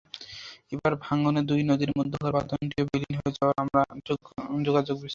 এবারের ভাঙনে দুই নদীর মধ্যকার বাঁধটিও বিলীন হয়ে যাওয়ায় আমরা যোগাযোগবিচ্ছিন্ন।